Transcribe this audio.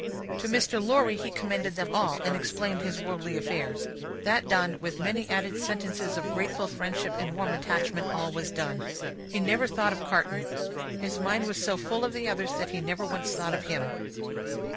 To Mr. Lorry, he commended them all, and explained his worldly affairs. That done, with many added sentences of grateful friendship and warm attachment, all was done. He never thought of Carton. His mind was so full of the others, that he never once thought of him.